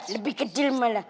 lebih kecil malah